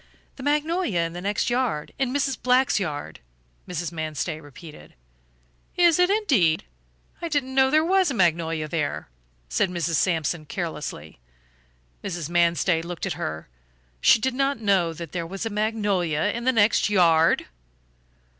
"The magnolia in the next yard in Mrs. Black's yard," Mrs. Manstey repeated. "Is it, indeed? I didn't know there was a magnolia there," said Mrs. Sampson, carelessly. Mrs. Manstey looked at her; she did not know that there was a magnolia in the next yard!